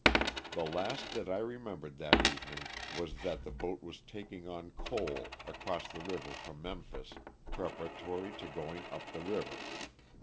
The last that I remembered that evening was that the boat was taking on coal, across the river from Memphis, preparatory to going up the river.